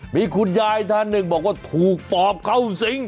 มีคุณยายท่านหนึ่งบอกว่าถูกปอบเข้าสิง